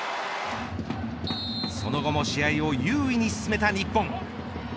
その後も試合を優位に進めた日本。